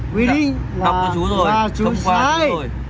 quy định là chú sai